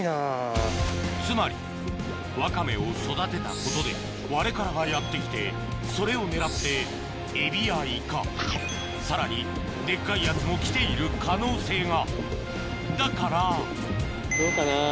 つまりワカメを育てたことでワレカラがやって来てそれを狙ってエビやイカさらにデッカいやつも来ている可能性がだからどうかな？